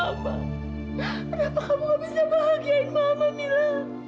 kenapa kamu bisa bahagiain mama mila